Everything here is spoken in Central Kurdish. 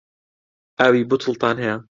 ئاوی بوتڵتان هەیە؟